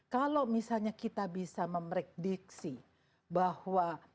kalau misalnya kita bisa memprediksi bahwa